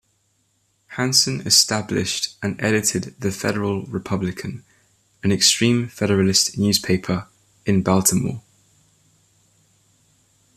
Hanson established and edited the "Federal Republican", an extreme Federalist newspaper, in Baltimore.